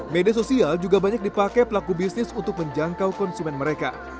media sosial juga banyak dipakai pelaku bisnis untuk menjangkau konsumen mereka